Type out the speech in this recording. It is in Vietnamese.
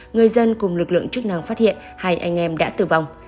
người dân cùng lực lượng chức năng phát hiện hai anh em đã tử vong